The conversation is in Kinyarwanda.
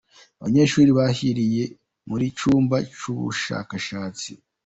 Abanyeshuri bahiriye muri cyumba cy’ubushakashatsi